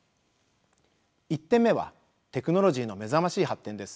１点目はテクノロジーの目覚ましい発展です。